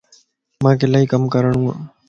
مانک الائي ڪم ڪرڻو وَ